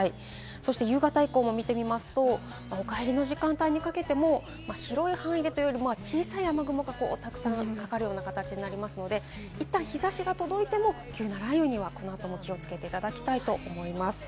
そして夕方以降も見てみますと、お帰りの時間帯にかけても、広い範囲でというより、小さい雨雲がたくさんかかるような形になりますので、いったん日差しが届いても急な雷雨には、この後も気をつけていただきたいと思います。